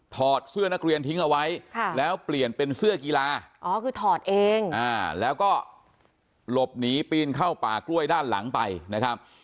อดเสื้อนักเรียนทิ้งเอาไว้แล้วเปลี่ยนเป็นเสื้อกีฬาอ๋อคือถอดเองแล้วก็หลบหนีปีนเข้าป่ากล้วยด้านหลังไปนะครับ